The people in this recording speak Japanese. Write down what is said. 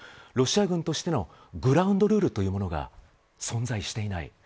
ロシア軍としてのグラウンドルールというものが存在していない。